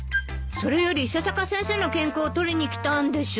それより伊佐坂先生の原稿を取りに来たんでしょう？